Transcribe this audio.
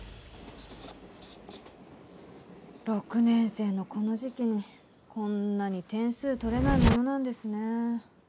６年生のこの時期にこんなに点数取れないものなんですね。